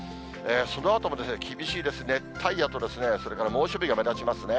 そのあとも厳しいです、熱帯夜とそれから猛暑日が目立ちますね。